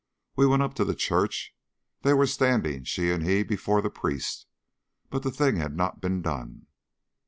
We went up to the church. They were standing, she and he, before the priest, but the thing had not been done.